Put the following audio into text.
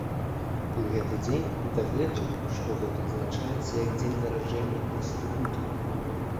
Гэты дзень дагэтуль штогод адзначаецца як дзень нараджэння інстытута.